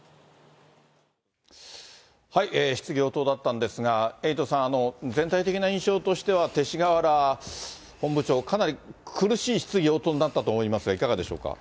質疑応答だったんですが、エイトさん、全体的な印象としては、勅使河原本部長、かなり苦しい質疑応答になったと思いますが、いかがでしょうか。